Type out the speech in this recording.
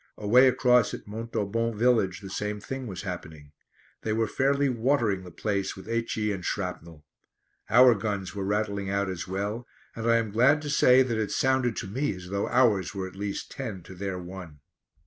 Away across at Montaubon village the same thing was happening. They were fairly watering the place with H.E. and shrapnel. Our guns were rattling out as well, and I am glad to say that it sounded to me as though ours were at least ten to their one.